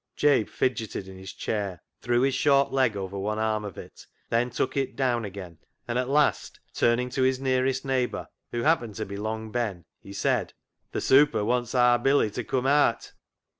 Jabe fidgeted in his chair, threw his short leg over one arm of it, then took it down again, and at last, turning to his nearest neighbour, who happened to be Long Ben, he said —" Th' ' super ' wants aar Billy to cum aat."